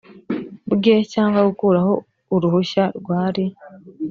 bwe cyangwa gukuraho uruhushya rwari